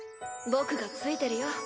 僕がついてるよ。